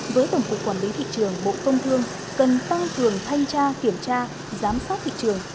với tổng cục quản lý thị trường bộ công thương cần tăng cường thanh tra kiểm tra giám sát thị trường